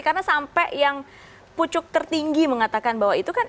karena sampai yang pucuk tertinggi mengatakan bahwa itu kan